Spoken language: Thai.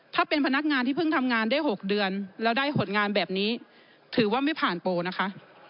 ถ้าเป็นพนักงานที่เพิ่งทำงานได้๖เดือนแล้วได้ผลงานแบบนี้ถือว่าไม่ผ่านโปรนะคะ